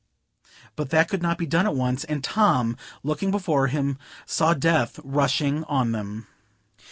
But that could not be done at once; and Tom, looking before him, saw death rushing on them.